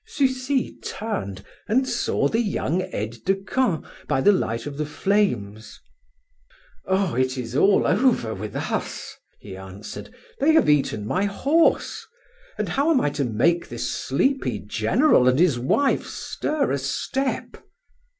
Sucy turned and saw the young aide de camp by the light of the flames. "Oh, it is all over with us," he answered. "They have eaten my horse. And how am I to make this sleepy general and his wife stir a step?"